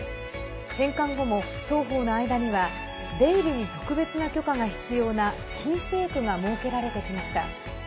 返還後も双方の間には出入りに特別な許可が必要な禁制区が設けられてきました。